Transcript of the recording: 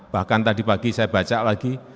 bahkan tadi pagi saya baca lagi